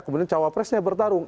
kemudian capresnya bertarung